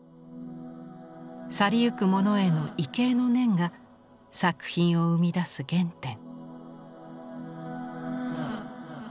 去りゆくモノへの畏敬の念が作品を生み出す原点。